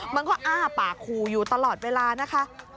มันก็อ้าปากขู่อยู่ตลอดเวลานะคะ